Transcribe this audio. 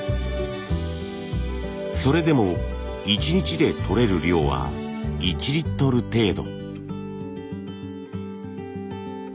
それでも一日でとれる量は１リットル程度。